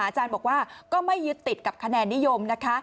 อาจารย์บอกว่าก็ไม่ยึดติดกับคะแนนนิยมนะคะ